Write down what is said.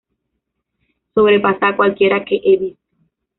Sobrepasa a cualquiera que he visto.